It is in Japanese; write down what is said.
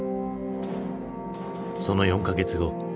その４か月後。